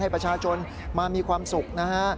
ประชาชนมามีความสุขนะฮะ